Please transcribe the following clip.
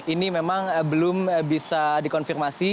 ini memang belum bisa dikonfirmasi